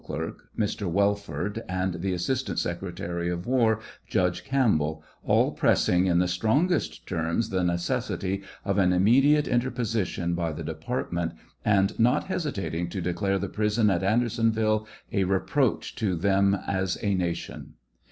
clerk, Mr. Welford, and the assistant secretary of war, Judge Campbell, all pressing in the Strongest terms the necessity of an immediate interposition by the department, and not hesitating to declare the prison at Audersonville "a reproach to them as a nation."